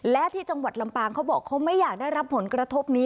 และที่จังหวัดลำปางเขาบอกเขาไม่อยากได้รับผลกระทบนี้